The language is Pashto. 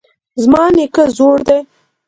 زما نیکه زوړ دی